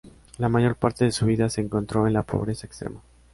La mayor parte de su vida se encontró en la pobreza extrema.